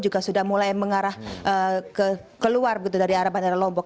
juga sudah mulai mengarah keluar dari arah bandara lombok